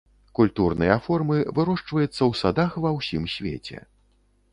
Культурныя формы вырошчваецца ў садах ва ўсім свеце.